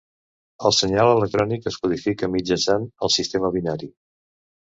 El senyal electrònic es codifica mitjançant el sistema binari.